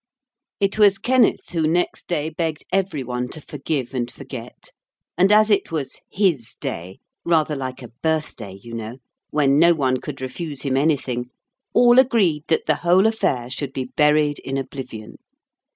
It was Kenneth who next day begged every one to forgive and forget. And as it was his day rather like a birthday, you know when no one could refuse him anything, all agreed that the whole affair should be buried in oblivion.